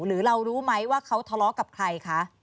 หรือเรารู้ไหมว่าเขาทะเลาะกับใครคะ